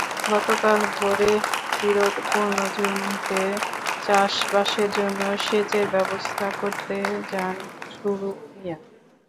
গতকাল ভোরে বিরোধপূর্ণ জমিতে চাষবাসের জন্য সেচের ব্যবস্থা করতে যান ছুরুক মিয়া।